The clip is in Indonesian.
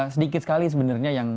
sedikit sekali sebenarnya yang